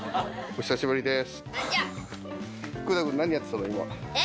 お久しぶりです。